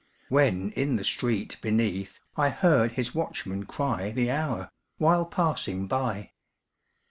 When in the street beneath I heard his watchman cry The hour, while passing by.